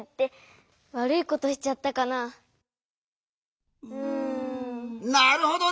なるほどね！